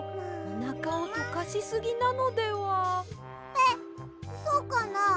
えっそうかな？